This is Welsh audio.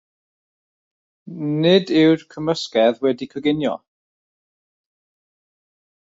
Nid yw'r cymysgedd wedi'i goginio.